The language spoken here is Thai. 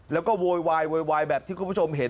แล้วก็โวยวายโวยวายแบบที่คุณผู้ชมเห็น